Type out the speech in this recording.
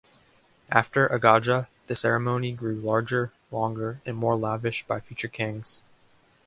After Agaja the ceremony grew larger, longer and more lavish by future kings.